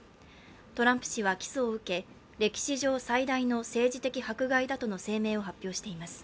トランプ氏は起訴を受け、歴史上最大の政治的迫害だとの声明を発表しています。